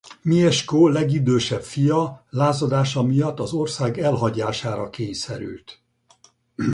Mieszko legidősebb fia lázadása miatt az ország elhagyására kényszerült.